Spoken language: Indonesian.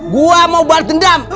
gua mau balik dendam atau